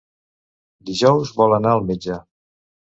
Dijous vol anar al metge.